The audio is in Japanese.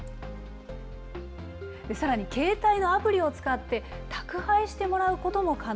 さらに携帯のアプリを使って、宅配してもらうことも可能。